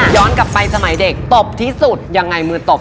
กลับไปสมัยเด็กตบที่สุดยังไงมือตบ